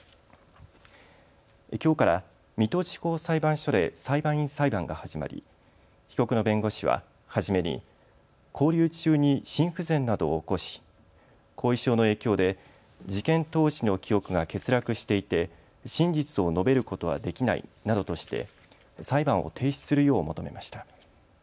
きょうから水戸地方裁判所で裁判員裁判が始まり被告の弁護士は初めに勾留中に心不全などを起こし後遺症の影響で事件当時の記憶が欠落していて真実を述べることはできないなどとして裁判を停止するよう求めました。